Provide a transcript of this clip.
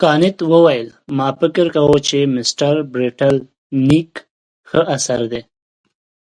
کانت وویل ما فکر کاوه چې مسټر برېټلنیګ ښه اثر دی.